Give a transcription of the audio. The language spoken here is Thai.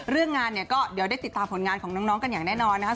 เรื่องงานเนี่ยก็เดี๋ยวได้ติดตามผลงานของน้องกันอย่างแน่นอนนะครับ